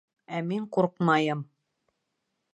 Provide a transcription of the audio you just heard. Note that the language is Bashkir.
Ә мин ҡурҡмайым.